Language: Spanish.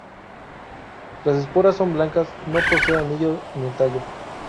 Las esporas son blancas, no posee anillo en el tallo.